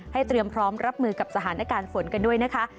เตรียมพร้อมรับมือกับสถานการณ์ฝนกันด้วยนะคะ